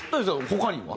他には？